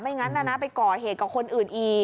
ไม่อย่างนั้นนะไปก่อเหตุกับคนอื่นอีก